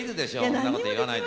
そんなこと言わないで。